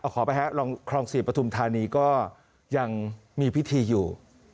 ขอไปฮะคลอง๔ปฐุมธานีก็ยังมีพิธีอยู่